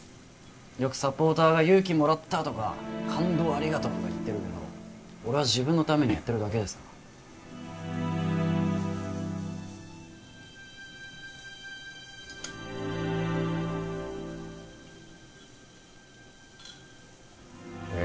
よくサポーターが勇気もらったとか感動をありがとうとか言ってるけど俺は自分のためにやってるだけですからねえ